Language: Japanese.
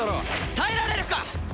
耐えられるか！